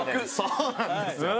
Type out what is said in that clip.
そうなんですよ。